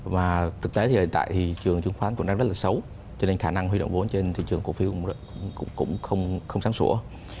và thực tế thì tại thị trường chứng khoán cũng đang rất là xấu cho nên khả năng huy động vốn trên thị trường cổ phiếu cũng không sáng sủa